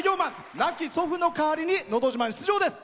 亡き祖父の代わりに「のど自慢」出場です。